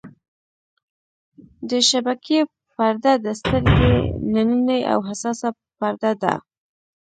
د شبکیې پرده د سترګې نننۍ او حساسه پرده ده.